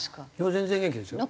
全然元気ですよ。